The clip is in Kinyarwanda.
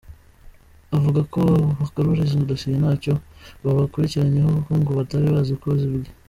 Avuga ko abo baguraga izo dosiye ntacyo babakurikiranyeho kuko ngo batari bazi ko zibwe.